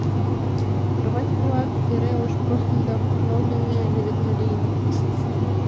Кровать-влак эре ош простынь да покрывал дене леведме лийыныт.